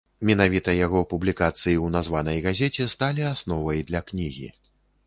Менавіта яго публікацыі ў названай газеце сталі асновай для кнігі.